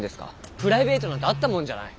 プライベートなんてあったもんじゃない。